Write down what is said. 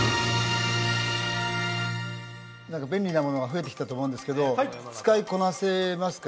何か便利なものが増えてきたと思うんですけど使いこなせますか？